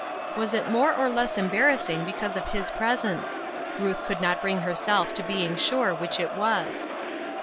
Was it more or less embarrassing because of his presence ? Ruth could not bring herself to being sure which it was.